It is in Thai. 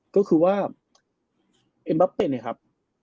ก็คือว่าเอ็มบับเป็นเนี่ยครับ